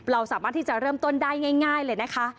เราสามารถที่จะเริ่มต้นได้ง่ายเลยนะคะ